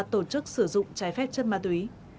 tổ chức sử dụng trái phép chất ma túy